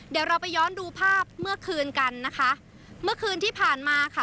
เดี๋ยวเราไปย้อนดูภาพเมื่อคืนกันนะคะเมื่อคืนที่ผ่านมาค่ะ